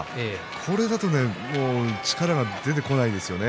これだと力が出てこないですよね。